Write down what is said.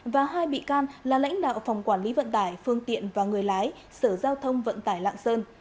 và hai bị can là lãnh đạo phòng quản lý vận tải phương tiện và người lái sở giao thông vận tải lạng sơn